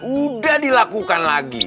udah dilakukan lagi